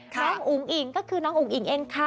อุ๋งอิ๋งก็คือน้องอุ๋งอิ๋งเองค่ะ